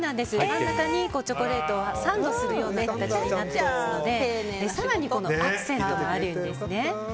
真ん中にチョコレートをサンドする形になってますので更にアクセントでもあるんですね。